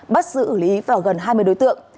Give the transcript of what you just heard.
bắt giữ lý vào gần hai mươi đối tượng